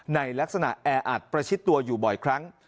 ในลักษณะแออัดประชิดตัวอยู่บ่อยครั้ง